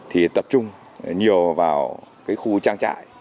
thì tập trung nhiều vào khu trang trại